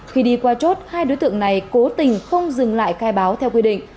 khi đi qua chốt hai đối tượng này cố tình không dừng lại khai báo theo quy định